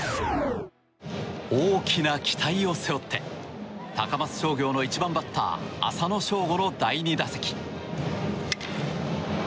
大きな期待を背負って高松商業の１番バッター浅野翔吾の第２打席。